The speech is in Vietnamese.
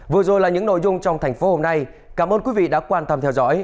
vừa rồi là những nội dung trong thành phố hôm nay cảm ơn quý vị đã quan tâm theo dõi